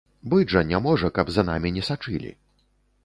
Быць жа не можа, каб за намі не сачылі.